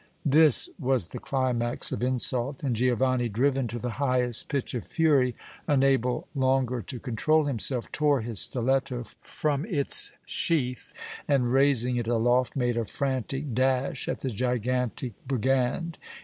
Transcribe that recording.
This was the climax of insult, and Giovanni, driven to the highest pitch of fury, unable longer to control himself, tore his stiletto from its sheath and, raising it aloft, made a frantic dash at the gigantic brigand.